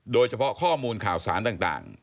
โดยเฉพาะข้อมูลข่าวสารต่าง